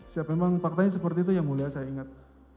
siap memang faktanya seperti itu ya mulia saya ingat